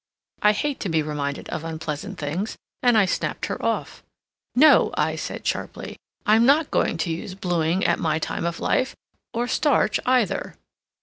I hate to be reminded of unpleasant things and I snapped her off. "No," I said sharply, "I'm not going to use bluing at my time of life, or starch, either."